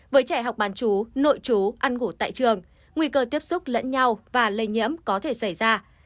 với trẻ học bán chú nội chú ăn ngủ tại trường nguy cơ tiếp xúc lẫn nhau và lây nhiễm có thể xảy ra